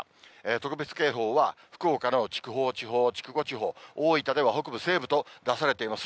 特別警報は福岡の筑豊地方、筑後地方、大分では北部西部と出されています。